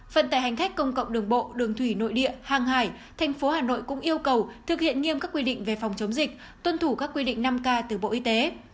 phần tài hành khách công cộng đường bộ đường thủy nội địa hàng hải thành phố hà nội cũng yêu cầu thực hiện nghiêm các quy định về phòng chống dịch tuân thủ các quy định năm k từ bộ y tế